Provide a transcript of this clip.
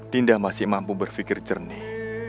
tinda masih mampu berpikir jernih